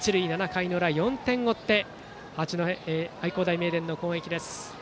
７回の裏、４点追って愛工大名電の攻撃です。